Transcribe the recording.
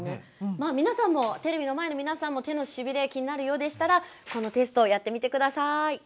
まあ皆さんもテレビの前の皆さんも手のしびれ気になるようでしたらこのテストをやってみてください。